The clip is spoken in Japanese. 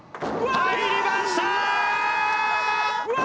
入りました！